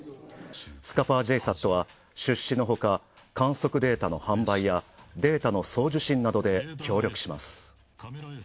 スカパーＪＳＡＴは出資のほか観測データの販売や、データの送受信などで協力します。